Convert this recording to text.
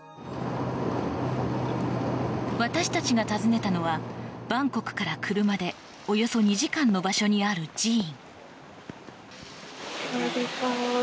私たちが訪ねたのはバンコクから車でおよそ２時間の場所にある寺院。